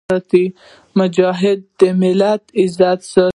مجاهد د ملت عزت ساتي.